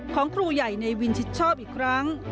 ของครูใหญ่ในวินชิดชอบอีกครั้ง